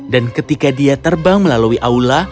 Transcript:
dan ketika dia terbang melalui aula